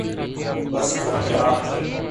بس جو اختیارات تھے۔